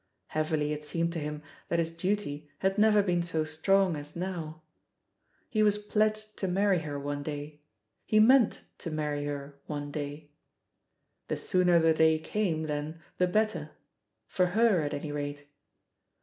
Heavily it seemed to him that his duty had never been so strong as now. He was pledged to marry her one day; he meant to marry her one day. The 116 THE POSITION OF PEGGY HARPER sooner the day came, then, the better — for her, at any rate!